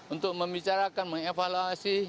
untuk membicarakan mengevaluasi